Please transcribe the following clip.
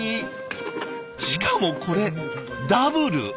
しかもこれダブル。